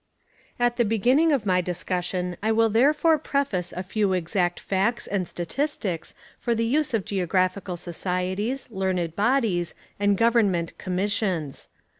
At the beginning of my discussion I will therefore preface a few exact facts and statistics for the use of geographical societies, learned bodies and government commissions.